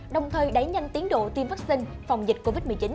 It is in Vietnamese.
đồng thời đẩy nhanh tiến độ tiêm vaccine phòng dịch covid một mươi chín